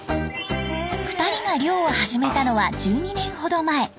２人が漁を始めたのは１２年ほど前。